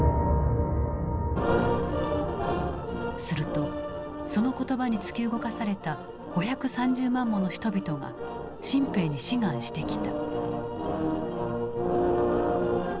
するとその言葉に突き動かされた５３０万もの人々が新兵に志願してきた。